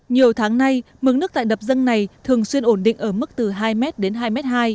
nhiều tháng nay mực nước tại đập dâng này thường xuyên ổn định ở mức từ hai m đến hai m hai